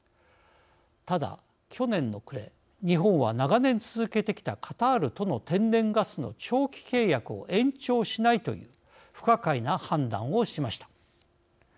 ただ、去年の暮れ、日本は長年、続けてきたカタールとの天然ガスの長期契約を延長しないという不可解な判断をしました。